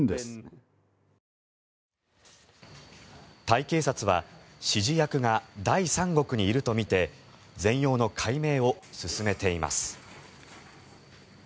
タイ警察は指示役が第三国にいるとみて全容の解明を進めています。